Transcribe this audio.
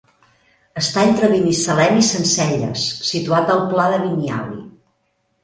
Està entre Binissalem i Sencelles, situat al pla de Biniali.